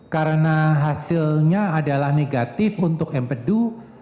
karena hasilnya adalah negatif untuk empedu